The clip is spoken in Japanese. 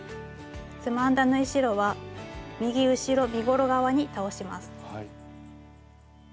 つまんだ縫い代は右後ろ身ごろ側に倒します。